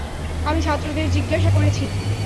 আমি ছাত্রদের জিজ্ঞাসা করেছি।